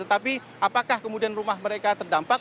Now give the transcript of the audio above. tetapi apakah kemudian rumah mereka terdampak